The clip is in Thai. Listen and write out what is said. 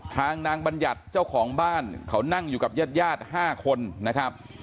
นางบัญญัติเจ้าของบ้านเขานั่งอยู่กับญาติญาติ๕คนนะครับ